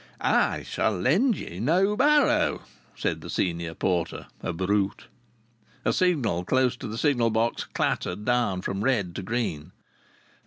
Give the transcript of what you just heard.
"I shall lend ye no barrow," said the senior porter, a brute. A signal close to the signal box clattered down from red to green.